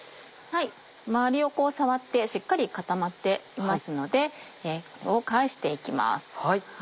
周りを触ってしっかり固まっていますのでこれを返していきます。